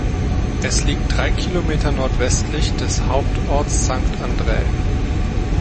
Es liegt drei Kilometer nordwestlich des Hauptorts Sankt Andrä.